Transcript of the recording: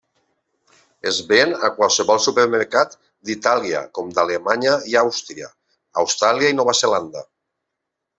Es ven a qualsevol supermercat d'Itàlia, com d'Alemanya i Àustria, Austràlia i Nova Zelanda.